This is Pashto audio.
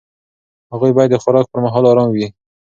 هغوی باید د خوراک پر مهال ارام وي.